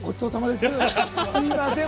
すみません！